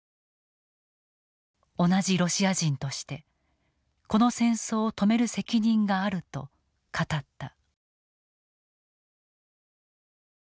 同じロシア人としてこの戦争を止める責任があると語った。